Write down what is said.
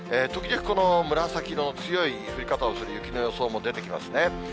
時々この紫色の強い降り方をする雪の予想も出てきますね。